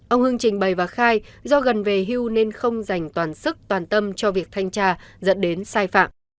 ông hưng trình bày và khai do gần về hưu nên không dành toàn sức toàn tâm cho việc thanh tra dẫn đến sai phạm